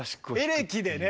エレキでね。